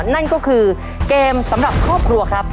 นั่นก็คือเกมสำหรับครอบครัวครับ